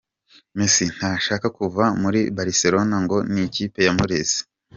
Mesi ntashaka kuva muri Baricelone ngo nikipe yamureze